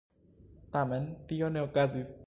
Tamen tio ne okazis.